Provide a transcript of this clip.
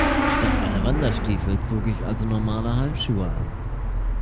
Statt meiner Wanderstiefel zog ich also normale Halbschuhe an.